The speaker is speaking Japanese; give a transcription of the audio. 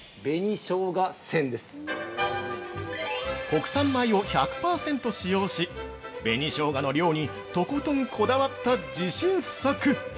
◆国産米を１００％使用し紅生姜の量にとことんこだわった自信作。